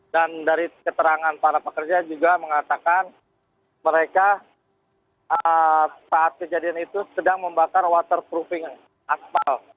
dan dari keterangan para pekerja juga mengatakan mereka saat kejadian itu sedang membakar waterproofing asfal